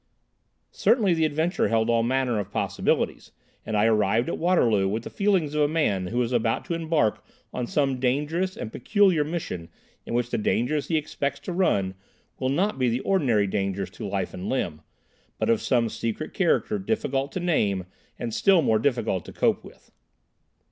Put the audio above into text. Certainly the adventure held all manner of possibilities, and I arrived at Waterloo with the feelings of a man who is about to embark on some dangerous and peculiar mission in which the dangers he expects to run will not be the ordinary dangers to life and limb, but of some secret character difficult to name and still more difficult to cope with.